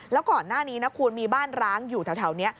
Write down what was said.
แล้วก่อนหน้านี้นะคุณมีบ้านร้างอยู่แถวนี้